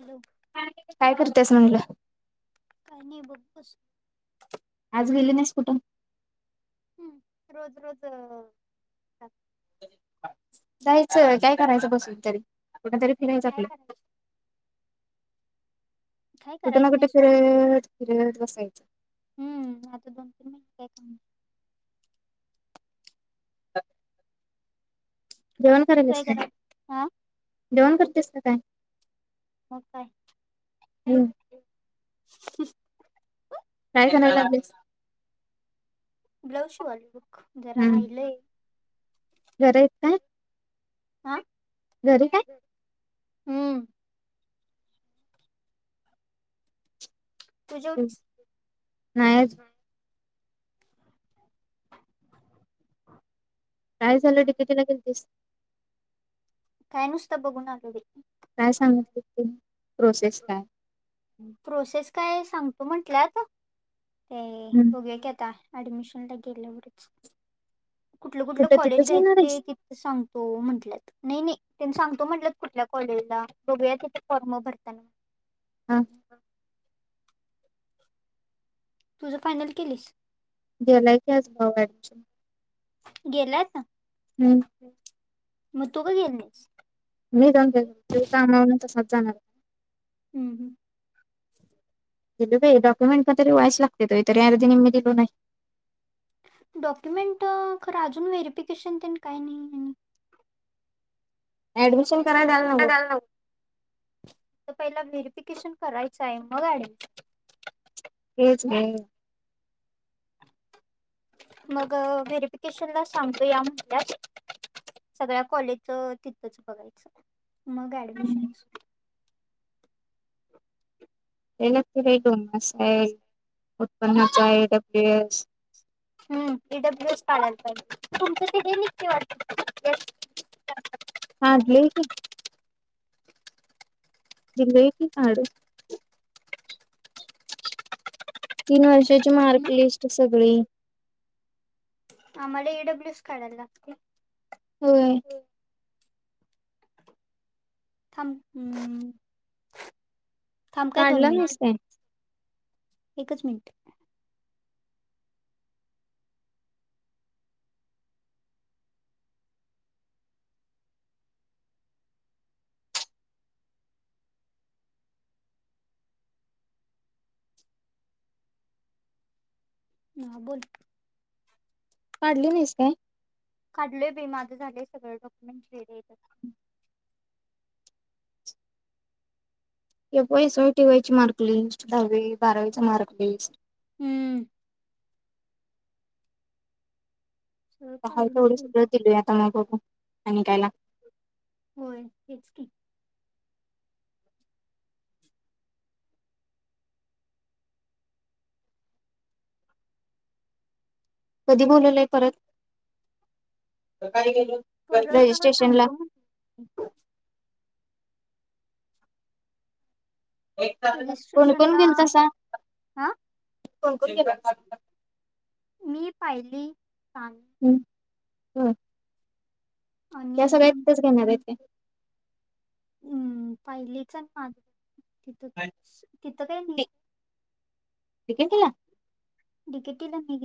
Hello काय करतेस म्हटलं का नाही बघस गे नाही कुठ हम्म. रोज रोज जायचं काय करायचं बसून तरी कुठ तरी फिरायचं काय आपलं करायच काय कुठबा करायच कुठ नाही सोड फिि दिसाच हम्म आता दोन तीन महिन तू काय कर हा जेवन करतेस का काय हो काय हम्म. काय करणारस ब्लाऊज शूवाली लुक जरा राहिलंय घरा येत काय हं घरी काय हम्म. तू जेवलीस नाहीच. काय झालं डिकेटीला गेलतीसं? नुस्त ब गुण आलो बाई. का सांगितलि कि नाही प्रोसेस काय? प्रोसेस काय सांगतो म्हटल्यात ते हम्म. बघया की आता. ॲडमिशनला गेल्यावरचं. कुठलं कुठलं कुठं कॉलेज तिथंच घ्यायचं येणार ते आहेस कितं सांगतो म्हंटल्यात. नाही नाही. त्यांनी सांगतो म्हटल्यात कुठल्या कॉलेजला बघू्या तिथे फॉर्म भरताना. हां. तुझं फायनल केलीस. गेलाय आज भाऊ ॲडमिशन गेल्यात हम्म म तू का गेली नाहीस? मी. जाऊन काय करू? तो आमावरन तसाचं जाणार हाय. हम्म, हम्म. दिलो बाई डॉक्युमेंट कातरी व्हायच लागतय. तरी आर्धी निम्मी दिलो नाही. डॉक्युमेंट खर अजून व्हेरीफिकेशन तेन काय नाही आणि ऍडमिशन करायला द्याला नगो. तर पहिला व्हेरिफिकेशन करायचं हाय मग ॲडमि हेच कि. मग व्हेरीफिकेशन ला सांगतो या म्हटल्यात. सगळ्या कॉलेजच तिथच बघायचं. मग ऍडमिशन [unintelligible] आहे उत्पनाचा एक आहे ईडब्ल्युएस. हम् ईडब्ल्यू एस पाढायला पाहिजे तुमचं तिथे निकनयं वाट काढलयं कि. दिलयं कि काढुन. तीन वर्षाची मार्क लिस्ट सगळी. आम्हाला एईडब्ल्यूस काढायला लागते. होय. थांब हम्. काढला नाहिस काय? एकच मिनिट - - म बोल.... काढली नाहीस काय? काढले मी माझे झाले सगळे डॉक्युमेंट रेडी आहेत हे पोयसोय टी ववायची मार्कलीस दहावी बारावीचा मार्क लिस्ट.... हम्म. सगळं काढून तेवढ ठेवलं सुध दिलो आ त्यामुळे बघू आणि कायला होय हेच की. कधी बोललय परत का? परत परत सांगतो... एक कोणी कोण रजिस्ट्रेशनला गेल तसा. हा कोण कोण के ब... मी पाहिली सांग. हम. आणि त्या सगळ्या तेच घेणार आहेत. हम्म पाहिलेच आणि पा तिथं तिथं काय नाही.... िकेन केला. डिकेटीला म...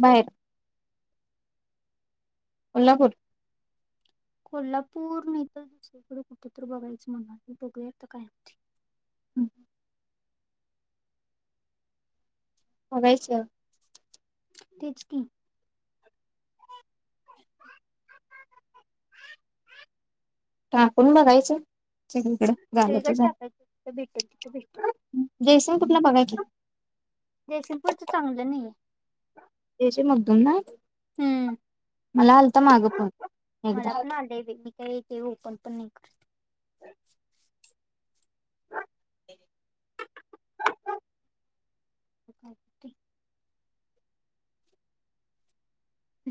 बाहेर. कोल्हापूर.... कोल्हापूर न तर दुसरीकडे कुठेत बघायचं म्हणा मी बघूया तर काय होती. हम्. हो बघायचं... तेच की.... [unintelligible] टाकून बघायचं. सगळीकडे झालं तर शकट झालं टाका भेटन ति भेट न.... जयसिंग कुठला बघायचं जयसिपूरच चांगलं नाही आहे. तेश मुद्दम ना.... हम्म. मला आलता मागं फोन मला एकदा पण आलंय मी काय य ते पण.... पण नाही करत. [unintelligible]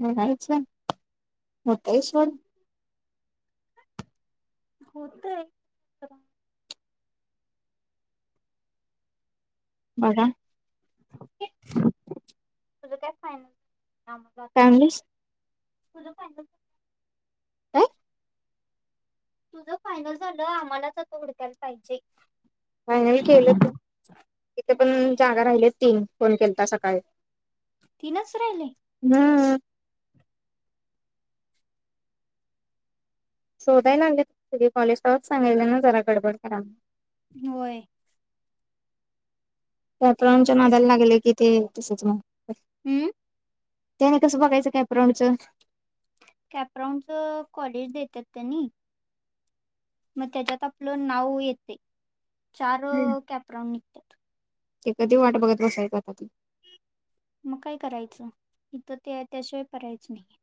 ह नाहीच होतं तेच की सोल. होत आहे. बघा. तुझं काय फायनल फॅमिलीस तुझ फायनल. काय? तुझ फायनल झालं आम्हालाच आता हुडकायला पाहिजे. फायनल केलं तिथे पण जागा राहिले तीन फोन केलता सकाळी. तीनच राहिले. हम्म शोधायला लागले कॉलेजा सांगले ना जरा गडबड कराला. होय. कॅपराऊंडच्या तिकीट नदाला लागेल कि ते तस त... हम्म. त्याने कसं बघायचं काय प्रणच... कॅपराऊड च कॉलेज देतात आणि मग त्याच्यात आपलं नाव येते चार कॅपराऊंड निघतात... ते कधी वाट बघत बस आहेता त.... मग काय करायचं इथं ते त्याशिवाय पर्यायच नाही.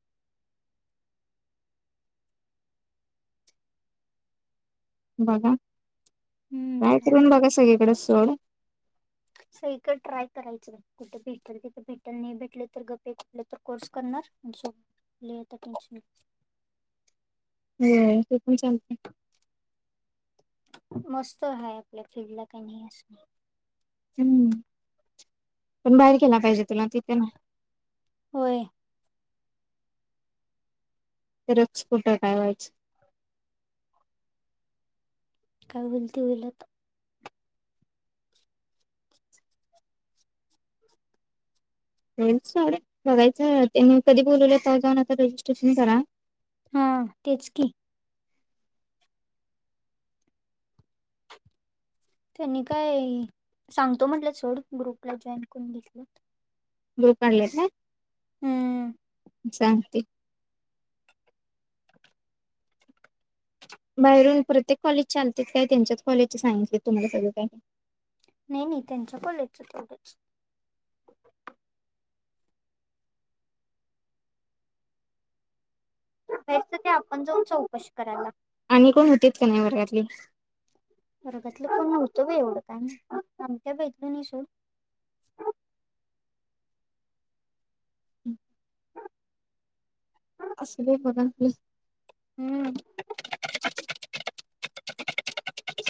बघा हम्म चाल ट्रायकरून बघा सगळीकडे सर. सयक ट्राय करायचं कुठे भेटल तिथे भेटल नाही भेटल तर गपे कुठले तर कोर्स करणार.... लेतं हिशोब लिये तो टेन्शन नाही. हम्म. ते पण चालतयं. मस्त हाय आपल्या फिल्डला काय नाही अस- - हम्म. पण बाहेर गला पाहिजे तुला तिथे नाही. होय. [unintelligible] फोट काय वायच. काय होईलती होईल आत्ता. तो [unintelligible] बघायचं ते मगकधी बोलवलं तव्हा जाऊन आता रजिस्ट्रेशन करा. हा तेच की. त्यांनी काय सांगतो म्हटल्यात सोड ग्रुपला जॉईन करून घेतल्यात. व्हिडिओ काढल्यात काय? हम्म सांगते. बाहेरून प्रत्येक कॉलेज चालतयंते काय त्यांच्यात कॉलेजचे सांगितले तुम्हाला सगळं काय. नाही, नाही त्यांचं कॉलेजच तेवढंच. नाहि त र आपण जाऊन चौकशी कराय लागत्या. आणि कोण होतीत काय नाही वर्गातली. तो एवढं का ना आमत्या बैदनि नाही सोड ह असलि बघा कि हम्म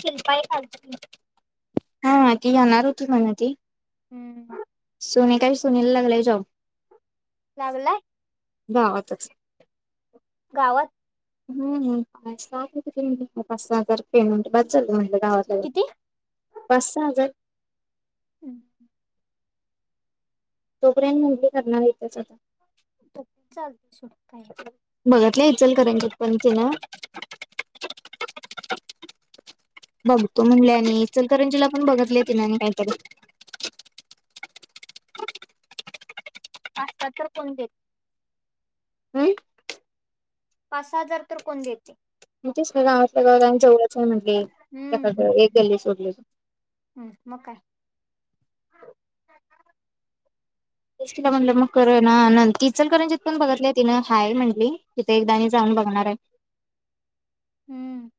शिल्पा आहेखालचि हा ती जाणार होती म्हणा ती हम्म तुने काही सुनीला लागलंय जॉब लागलाय दावातच गावात हम पाच सहा हजार पेमेंट बास झालं म्हटलं आहे गावातल्या गावात किती पाच सहा हजार हम्म तोपर्यंत म्हटली करणार आहे त्याचा चालते सोड काय पाच बघतलं इचल करंजित पण तिन बघतो म्हल्या नि ईचल करंजीला पण बघ तलितिन काहीतरी पाता तर कोण देत हम पाचसहा हजार तर कोण देते म्ह तेच गावातल्या गाव जेवढंच नाही म्हटलं हम्म त्याकड एक गल्ली सोडली हम्म म काय सुशिरा म्हणलं मग करना अनंत ति ईचल करंजित पण बघतलेय तिनं हाय म्हंली तिथे एकदाणी जाऊन बघणार आहे ह अअ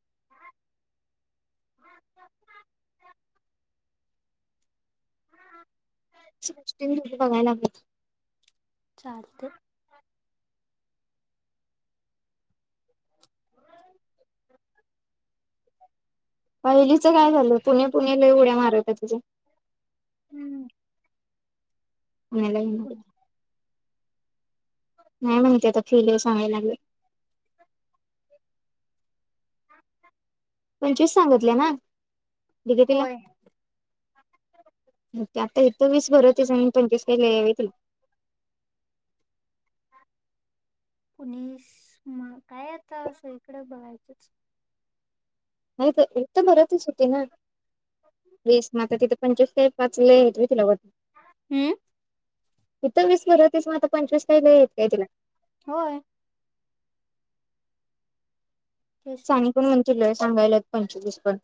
सृष्टी दोघि बघाय लागलेत चालते पहिलीच काय झालं पुणे पुणे लय उड्या मारतत तुझ्या हम्म अलायना पुणे नाही म्हण ते आता फिल व सांगायला लागले पंचवीस सांगितल्या ना बिजेपिला होय घटल्याचे वीस बरोतीस आणि पंचवीस काही ल यावेतील कुणीच मग काय आता सगळीकडे बघायचंच! नाही तर एक तर भरतच होती ना वीस मग आता तिथे पंचवीस काय पाच लय आहेत हम्म इथं वीस भरत नाही. मग आता पंचवीस काही व येत. होय तेच तर सांगितलं वीस पण सांगायला पंचवीस पण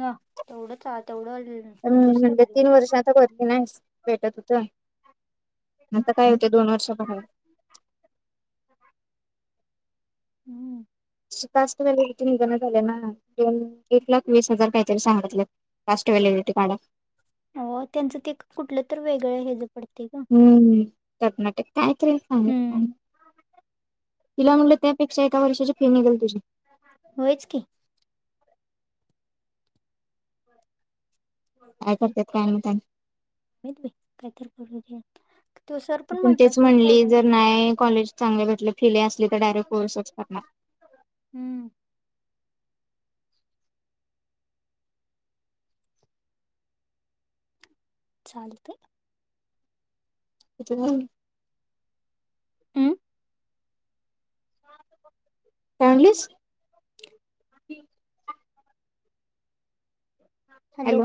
ह तेवढंच आ- तेवढं पंचवीस तर म्हणजे घालायला तीन वर्ष लागणार. आता भरती नाही. भेटत होत आता काय होते दोन वर्ष पहा. [inaudible] हम्म निघणं झाले ना एक लाख वीस हजार काहीतरी सांगत कास्ट व्हॅलेडीटी काढा. हो त्यांचं ते कुठलं तर वेगळं हेज पडत. हम्म कर्नाटक काय तरी सांगितल हम्म तिला म्हटलं त्यापेक्षा एका वर्षाची फी निघेल तुझी होयच की काय करतेय काय माहित आता व इतर काहीतरी करू दे. तो सर ती पण म्हटला तेच सोड म्हणली पोरींनो जर नाही. कॉलेज चांगले भेटले फिले असली तर डायरेक्ट कोर्सच करणार. ह हम्म चालतंय. त्याच्यामुळे हम काय म्हणलीस. हॅलो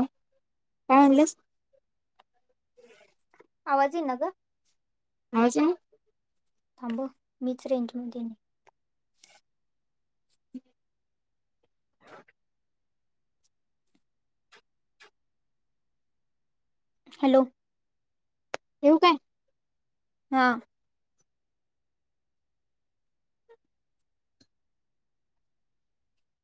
काय म्हणलीस. आवाज येईना ग. आवाज नाही. थांब मीच रेंजमध्ये नाही. हॅलो ठेव काय? हा